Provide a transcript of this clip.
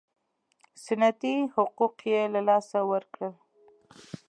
سنتي حقوق یې له لاسه ورکړل.